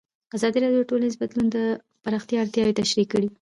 ازادي راډیو د ټولنیز بدلون د پراختیا اړتیاوې تشریح کړي.